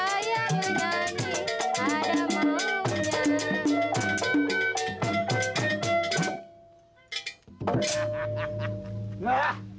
saya menyanyi ada maunya